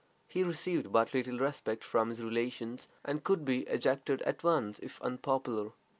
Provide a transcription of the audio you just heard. He received but little respect from his relations, and could be ejected at once if unpopular.